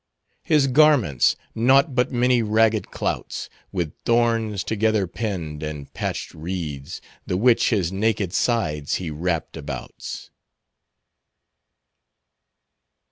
His garments nought but many ragged clouts, With thornes together pind and patched reads, The which his naked sides he wrapt abouts."